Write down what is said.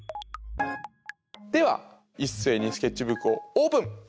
では一斉にスケッチブックをオープン！